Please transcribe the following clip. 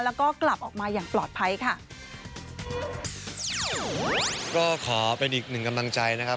แล้วก็กลับออกมาอย่างปลอดภัยค่ะก็ขอเป็นอีกหนึ่งกำลังใจนะครับ